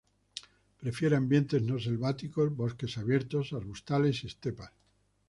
Prefiere ambientes no selváticos, bosques abiertos, arbustales y estepas.